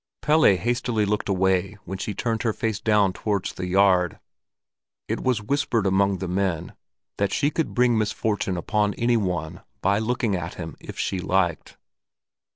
Pelle hastily looked away when she turned her face down towards the yard. It was whispered among the men that she could bring misfortune upon any one by looking at him if she liked.